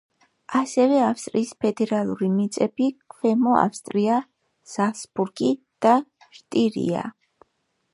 ასევე ავსტრიის ფედერალური მიწები: ქვემო ავსტრია, ზალცბურგი და შტირია.